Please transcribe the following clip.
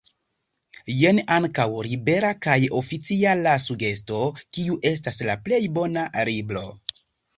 Jen ankaŭ libera kaj oficiala sugesto kiu estas “la plej bona libro”.